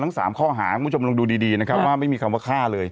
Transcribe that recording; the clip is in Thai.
๓ข้อหาคุณผู้ชมลองดูดีนะครับว่าไม่มีคำว่าฆ่าเลย